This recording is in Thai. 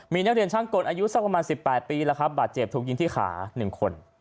มีนักเรียนช่างกลอายุสักประมาณ๑๘ปีแล้วครับบาดเจ็บถูกยิงที่ขา๑คน